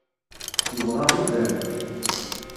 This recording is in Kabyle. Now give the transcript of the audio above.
Yebɣa ugar.